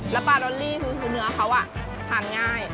แล้วปลาดอลลี่คือเนื้อเขาทานง่าย